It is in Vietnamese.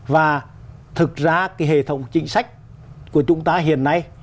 và thực ra cái hệ thống chính sách của chúng ta hiện nay